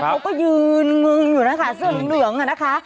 เขาก็ยืนงึงอยู่นะคะเสื้อเหลืองอะนะคะ